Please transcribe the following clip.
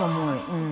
うん。